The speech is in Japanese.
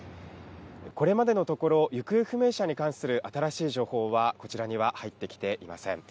これまでのところ、行方不明者に関する新しい情報はこちらには入ってきていません。